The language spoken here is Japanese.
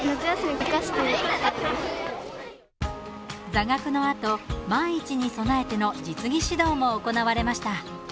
座学のあと万一に備えての実技指導も行われました。